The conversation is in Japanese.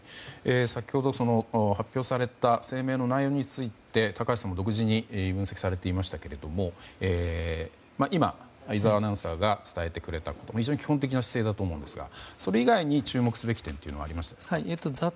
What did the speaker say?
先ほど発表された声明の内容について高橋さんも独自に分析されていましたが今、井澤アナウンサーが伝えてくれた非常に基本的な姿勢だと思うんですがそれ以外に注目すべき点はありますか。